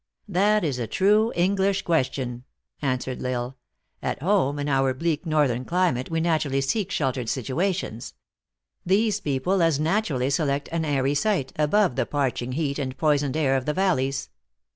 "That is a true English question," answered L Isle. " At home, in our bleak northern climate, AVC natur ally seek sheltered situations. These people as natur THE ACTRESS IN HIGH LIFE. 159 ally select an airy site, above the parching heat and poisoned air of the valleys.